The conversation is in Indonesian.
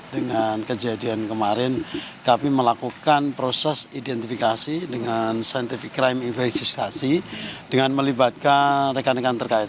dengan kejadian kemarin kami melakukan proses identifikasi dengan scientific crime event dengan melibatkan rekan rekan terkait